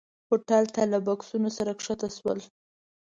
هوټل ته له بکسونو سره ښکته شول.